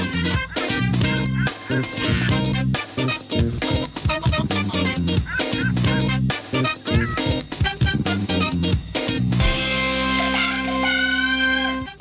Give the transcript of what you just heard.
สุดยอด